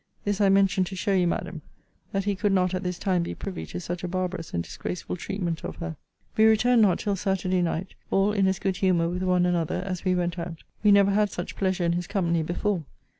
This I mention to show you, Madam, that he could not at this time be privy to such a barbarous and disgraceful treatment of her. We returned not till Saturday night, all in as good humour with one another as we went out. We never had such pleasure in his company before.